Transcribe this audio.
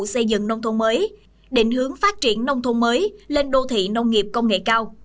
xây dựng nông thôn mới định hướng phát triển nông thôn mới lên đô thị nông nghiệp công nghệ cao